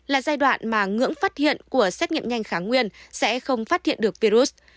là giai đoạn mà ngưỡng phát hiện của xét nghiệm nhanh kháng nguyên sẽ không phát hiện được virus